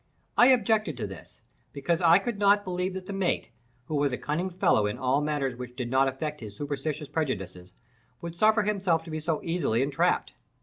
I objected to this, because I could not believe that the mate (who was a cunning fellow in all matters which did not affect his superstitious prejudices) would suffer himself to be so easily entrapped.